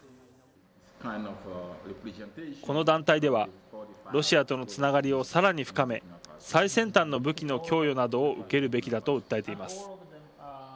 この団体ではロシアとのつながりをさらに深め最先端の武器の供与などを受けるべきだと訴えています。